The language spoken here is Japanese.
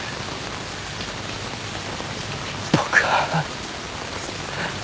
僕は。